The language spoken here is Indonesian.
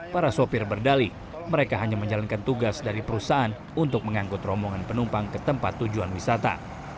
para sopir berdali mereka hanya menjalankan tugas dari perusahaan untuk mengangkut rombongan penumpang ke tempat tujuan wisata